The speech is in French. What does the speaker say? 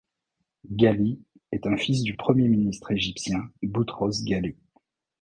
Ghali est un fils du premier ministre égyptien Boutros Ghali.